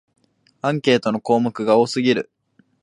アンケートの項目が多すぎる